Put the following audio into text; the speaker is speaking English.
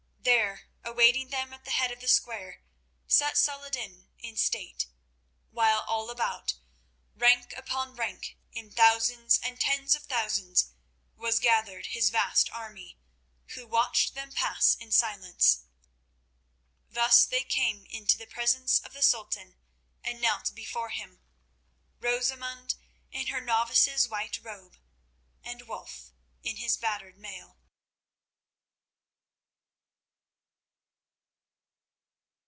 There, awaiting them at the head of the square, sat Saladin in state, while all about, rank upon rank, in thousands and tens of thousands, was gathered his vast army, who watched them pass in silence. Thus they came into the presence of the Sultan and knelt before him, Rosamund in her novice's white robe, and Wulf in his battered mail.